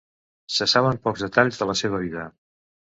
Se saben pocs detalls de la seva vida.